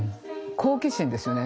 好奇心ですよね。